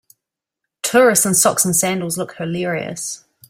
Tourists in socks and sandals look hilarious.